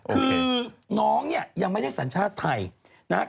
คือน้องเนี่ยยังไม่ได้สัญชาติไทยนะครับ